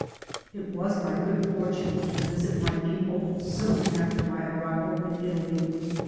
303 It was my good fortune to visit my people soon after my arrival in Italy.